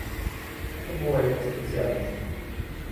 То була його спеціальність.